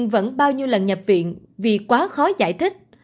vẫn bao nhiêu lần nhập viện vì quá khó giải thích